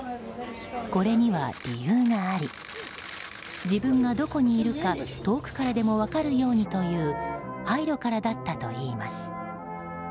これには理由があり自分がどこにいるか遠くからでも分かるようにという配慮からだったといいます。